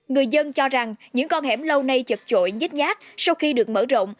người dân cho rằng những con hẻm lâu nay chật chội nhích nhát sau khi được mở rộng